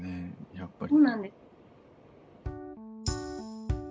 やっぱり。